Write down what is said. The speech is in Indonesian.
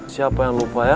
siapa yang lupa ya